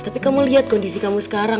tapi kamu lihat kondisi kamu sekarang